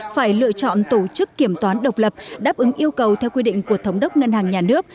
phải lựa chọn tổ chức kiểm toán độc lập đáp ứng yêu cầu theo quy định của thống đốc ngân hàng nhà nước